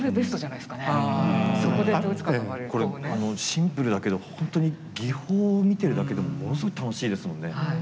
シンプルだけどほんとに技法を見てるだけでもものすごい楽しいですもんね。